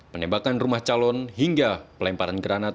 penembakan rumah calon hingga pelemparan granat